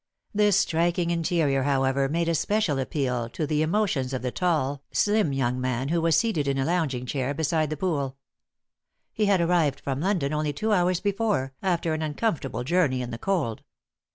This striking interior, however, made a special appeal to the emotions of a tall, slim young man who was seated in a lounging chair beside the pool. He had arrived from London only two hours before, after an uncomfortable journey in the cold.